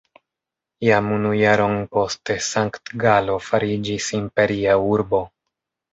Jam unu jaron poste Sankt-Galo fariĝis imperia urbo.